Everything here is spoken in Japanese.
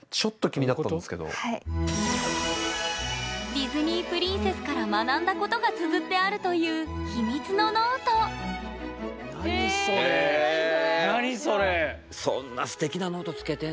ディズニープリンセスから学んだことがつづってあるという秘密のノートなるほど。